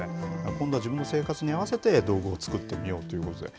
今度は自分の生活に合わせて道具を作ってみようということで。